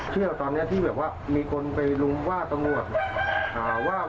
เชื่อตอนนี้ที่เห็นว่ามีคนไปว่าตำรวจ